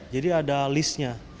jadi ada listnya